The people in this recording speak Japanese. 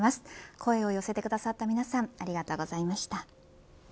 声を寄せてくださった皆さんありがとうございました。